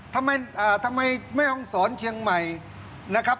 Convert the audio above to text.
ทำไมทำไมแม่ห้องสอนเชียงใหม่นะครับ